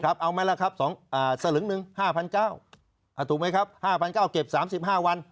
เอาไหมล่ะครับสลึงหนึ่ง๕๙๐๐ถูกไหมครับ๕๙๐๐เก็บ๓๕วัน